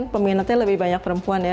peminatnya lebih banyak perempuan ya